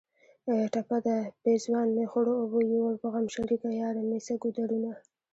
ټپه ده: پېزوان مې خړو اوبو یوړ په غم شریکه یاره نیسه ګودرونه